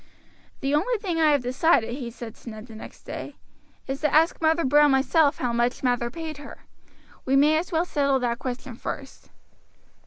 "The only thing I have decided," he said to Ned the next day, "is to ask Mother Brown myself how much Mather paid her. We may as well settle that question first."